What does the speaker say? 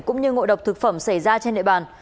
cũng như ngội độc thực phẩm xảy ra trên hệ bàn